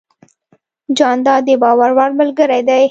جانداد د باور وړ ملګری دی.